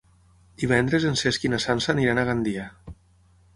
Divendres en Cesc i na Sança aniran a Gandia.